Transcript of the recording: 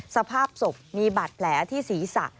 สภาพศพมีบาดแผลที่ศีรษะ